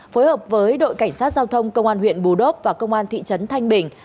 phối hợp với đội cảnh sát giao thông công an huyện bù đốp và công an thị trấn thanh bình